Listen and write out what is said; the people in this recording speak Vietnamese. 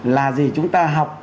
là gì chúng ta học